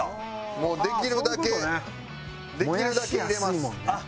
もうできるだけできるだけ入れます。